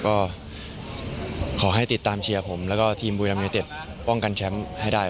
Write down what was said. ก็ขอให้ติดตามเชียร์ผมแล้วก็ทีมบุรีรัมยูเต็ดป้องกันแชมป์ให้ได้